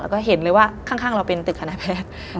แล้วก็เห็นเลยว่าข้างเราเป็นตึกคณะแพทย์